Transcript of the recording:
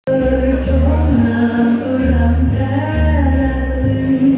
เจอกับช้องน้ำกุรัมแจรีย์